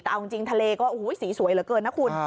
แต่เอาจริงทะเลก็สีสวยเหลือเกินนะคุณ